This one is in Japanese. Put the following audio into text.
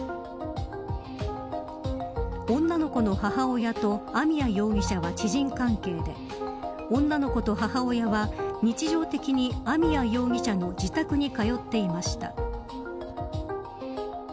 女の子の母親と網谷容疑者は知人関係で女の子と母親は日常的に網谷容疑者の自宅に通っていました。